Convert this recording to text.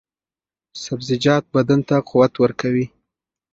سبزیجات بدن ته قوت ورکوي.